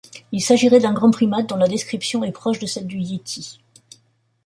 Il s'agirait d'un grand primate dont la description est proche de celle du yéti.